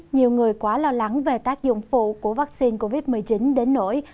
nhiều người quá lo lắng về tác dụng phụ của vaccine covid một mươi chín đến nổi